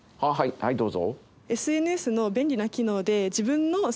はいどうぞ。